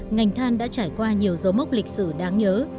ngành than đã trải qua nhiều dấu mốc lịch sử đáng nhớ